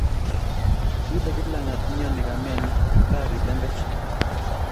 Kile Kiplagat myoni kamenyin ka gii lembech.